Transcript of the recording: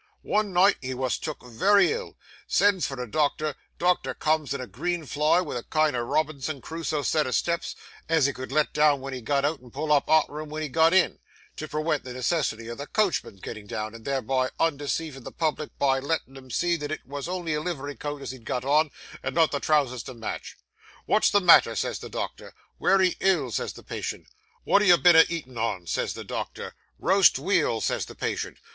One night he wos took very ill; sends for a doctor; doctor comes in a green fly, with a kind o' Robinson Crusoe set o' steps, as he could let down wen he got out, and pull up arter him wen he got in, to perwent the necessity o' the coachman's gettin' down, and thereby undeceivin' the public by lettin' 'em see that it wos only a livery coat as he'd got on, and not the trousers to match. "Wot's the matter?" says the doctor. "Wery ill," says the patient. "Wot have you been a eatin' on?" says the doctor. "Roast weal," says the patient.